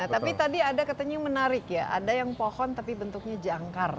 tapi tadi ada katanya yang menarik ya ada yang pohon tapi bentuknya jangkar